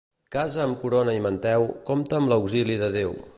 Casa amb corona i manteu, compta amb l'auxili de Déu.